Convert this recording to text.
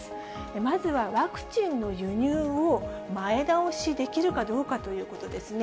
まずはワクチンの輸入を前倒しできるかどうかということですね。